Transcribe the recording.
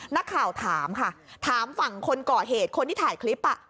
นักข่าวถามค่ะถามฝั่งคนก่อเหตุคนที่ถ่ายคลิป